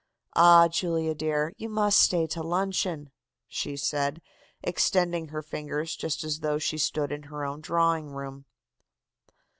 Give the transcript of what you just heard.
"'Ah, Julia, dear, you must stay to luncheon,' she said, extending her fingers just as though she stood in her own drawing room."